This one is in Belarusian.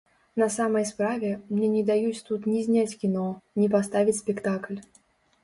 На самай справе, мне не даюць тут ні зняць кіно, ні паставіць спектакль.